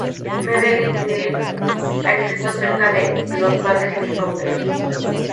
Madeline Levine ha escrito acerca de los padres helicópteros.